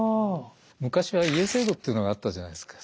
昔は家制度っていうのがあったじゃないですか。